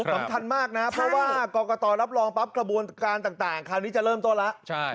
สำคัญมากนะเพราะว่ากรกตรับรองปั๊บกระบวนการต่างคราวนี้จะเริ่มต้นแล้ว